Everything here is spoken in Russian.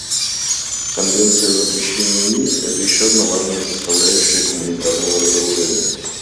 Конвенция о запрещении мин — это еще одна важная составляющая гуманитарного разоружения.